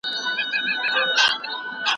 منظم کار تر بې نظمه کار ګټور دی.